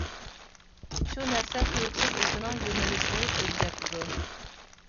شۇ نەرسە تۇيۇقسىز ئۆزىنىڭ يۆنىلىشىنى ئۆزگەرتىدۇ!